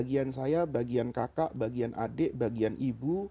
bagian saya bagian kakak bagian adik bagian ibu